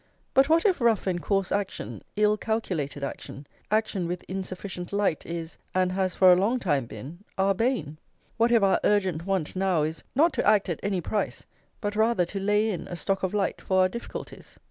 But what if rough and coarse action, ill calculated action, action with insufficient light, is, and has for a long time been, our bane? What if our urgent want now is, not to act at any price, but rather to lay in a stock of light for our difficulties?